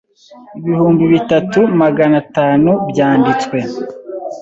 ibhumbi bitatu maganatanu byanditswe